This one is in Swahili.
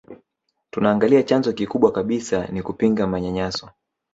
Tunaangalia chanzo kikubwa kabisa ni kupinga manyanyaso